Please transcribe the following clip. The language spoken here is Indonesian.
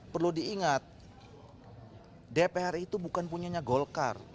perlu diingat dpr ri itu bukan punya golkar